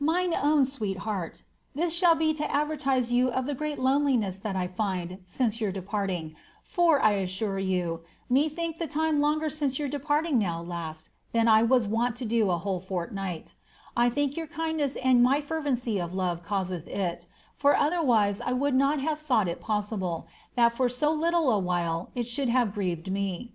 148 ■llliie own Sweet Heart, *■ TUs thBU be to adverdie you of the great loneness that I find linee yoar departing, lor, I aaeore you, me thinketh the time longer since your departing BOW last than I was wont to do a whole fortnight I think your kindness and ny ferrency of k>ve causeth it, for otherwise I would not have thou^t it possible, Aat for so little a while it should have grieved me.